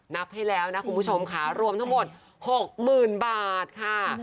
นับให้แล้วนะคุณผู้ชมค่ะรวมทั้งหมด๖๐๐๐บาทค่ะ